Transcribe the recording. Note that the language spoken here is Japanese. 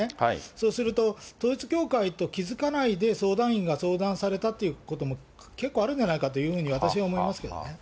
そうすると、統一教会と気付かないで相談員が相談されたってことも、結構あるんじゃないかというふうに私は思いますけどね。